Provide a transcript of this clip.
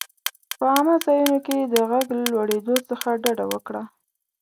په عامه ځایونو کې د غږ لوړېدو څخه ډډه وکړه.